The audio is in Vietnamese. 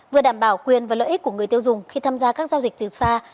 vừa đảm bảo quyền và lợi ích của người tiêu dùng khi tham gia các giao dịch từ xa